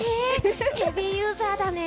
ヘビーユーザーなんだね！